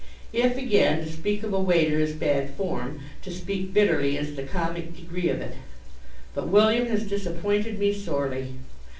If, again, to speak of a waiter is bad form, to speak bitterly is the comic degree of it. But William has disappointed me sorely.